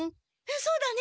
そうだね。